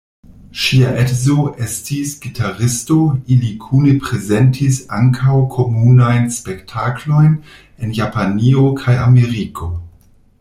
Ŝia edzo estis gitaristo, ili kune prezentis ankaŭ komunajn spektaklojn en Japanio kaj Ameriko.